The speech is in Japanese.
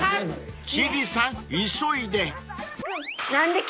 ［千里さん急いで］